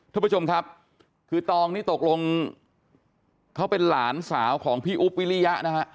ทุกผู้ชมครับคือตองนี่ตกลงเขาเป็นหลานสาวของพี่อุ๊บวิริยะนะฮะ